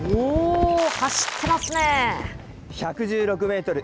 １１６メートル。